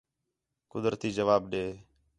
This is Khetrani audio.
قدرتی جواب ݙے